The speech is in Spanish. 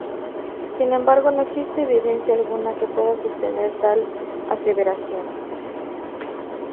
Sin embargo no existe evidencia alguna que pueda sostener tal aseveración.